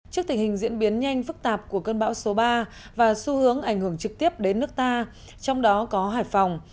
trước tình hình diễn biến nhanh phức tạp của cơn bão số ba và xu hướng ảnh hưởng trực tiếp đến nước ta trong đó có hải phòng